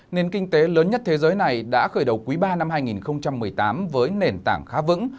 nền kinh tế lớn nhất thế giới này đã khởi đầu quý ba năm hai nghìn một mươi tám với nền tảng khá vững